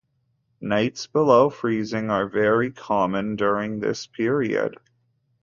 Nights below freezing are very common during this period.